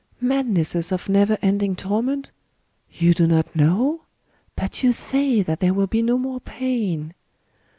— madnesses of never ending torment ?... You do not know? But you say that there will be no more pain